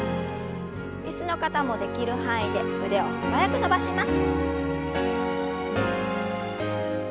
椅子の方もできる範囲で腕を素早く伸ばします。